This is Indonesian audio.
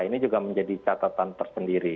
ini juga menjadi catatan tersendiri